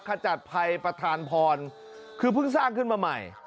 ขจัดภัยประธานพรคือเพิ่งสร้างขึ้นมาใหม่